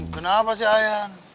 kenapa si ayan